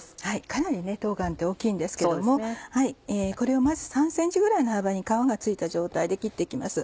かなり冬瓜って大きいんですけどもこれをまず３ｃｍぐらいの幅に皮が付いた状態で切って行きます。